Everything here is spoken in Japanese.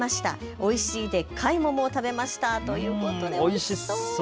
おいしいでっかい桃を食べましたということでおいしそう。